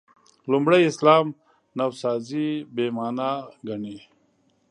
لومړي اسلام نوسازي «بې معنا» ګڼي.